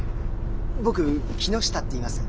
僕木下っていいます。